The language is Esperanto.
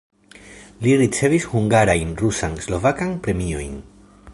Li ricevis hungarajn rusan, slovakan premiojn.